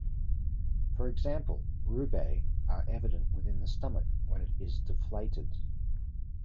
For example, rugae are evident within the stomach when it is deflated.